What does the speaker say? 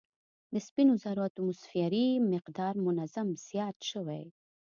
د سپینو زرو اتوموسفیري مقدار منظم زیات شوی